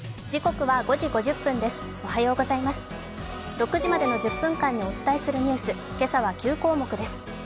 ６時までの１０分間にお伝えするニュース、今朝は９項目です。